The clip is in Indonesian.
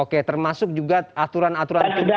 oke termasuk juga aturan aturan